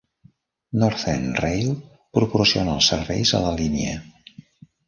Northern Rail proporciona els serveis a la línia.